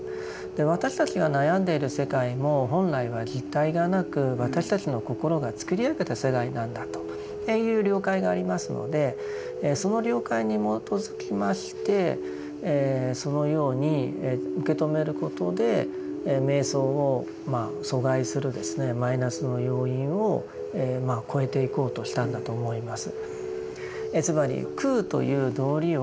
私たちが悩んでいる世界も本来は実体がなく私たちの心が作り上げた世界なんだという了解がありますのでその了解に基づきましてそのように受け止めることで瞑想をまあ阻害するマイナスの要因を越えていこうとしたんだと思います。